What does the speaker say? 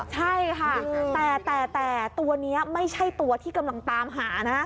ใช่ค่ะแต่ตัวนี้ไม่ใช่ตัวที่กำลังตามหานะ